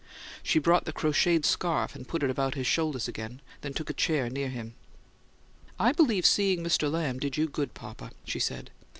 She brought the crocheted scarf and put it about his shoulders again, then took a chair near him. "I believe seeing Mr. Lamb did do you good, papa," she said.